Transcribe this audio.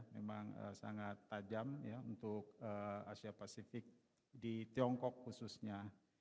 memang sangat tajam untuk asia pasifik di tiongkok khususnya